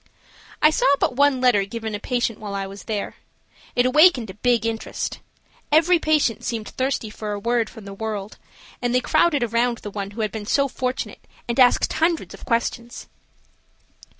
I saw but one letter given a patient while I was there. It awakened a big interest. Every patient seemed thirsty for a word from the world, and they crowded around the one who had been so fortunate and asked hundreds of questions.